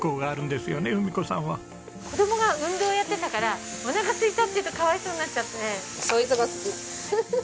子供が運動やってたから「おなかすいた」って言うとかわいそうになっちゃって。